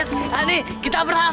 sampai jumpa di video selanjutnya